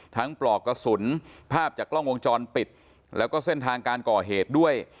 ปลอกกระสุนภาพจากกล้องวงจรปิดแล้วก็เส้นทางการก่อเหตุด้วย